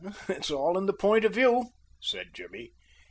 "It's all in the point of view," said Jimmy.